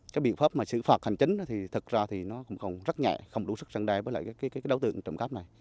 cái biện pháp mà xử phạt hành chính thì thật ra thì nó còn rất nhẹ không đủ sức sẵn đai với lại cái đấu tượng trộm cáp này